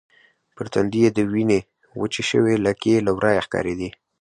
پر تندي يې د وینې وچې شوې لکې له ورایه ښکارېدې.